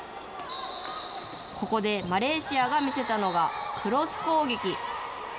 ここでマレーシアが見せたのが、クロス攻撃。